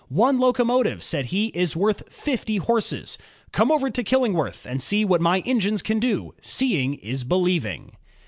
"One locomotive," said he, "is worth fifty horses. Come over to Killingworth and see what my engines can do; seeing is believing."